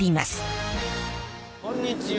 こんにちは。